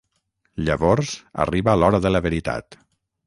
Llavors arriba l‘hora de la veritat.